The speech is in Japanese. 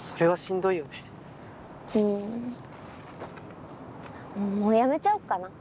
うんもうやめちゃおっかな。